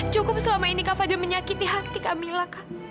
cukup selama ini kak fadil menyakiti hati kamila